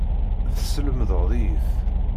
Teslemdeḍ-iyi-t.